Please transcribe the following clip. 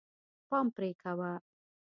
پام پرې کوه.